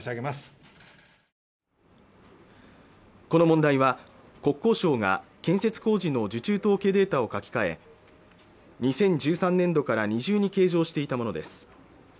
この問題は国交省が建設工事の受注統計データを書き換え２０１３年度から二重に計上していたものです